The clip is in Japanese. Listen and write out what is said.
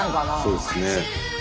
そうですね。